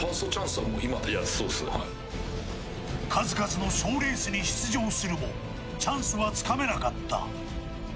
数々の賞レースに出場するもチャンスはつかめなかった。